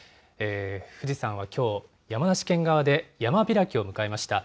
富士山はきょう、山梨県側で山開きを迎えました。